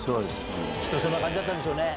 そんな感じだったんでしょうね。